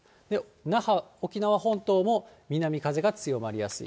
那覇、沖縄本島も南風が強まりやすい。